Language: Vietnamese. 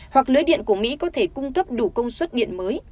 hoặc lưới điện của mỹ có thể cung cấp đủ công suất điện mới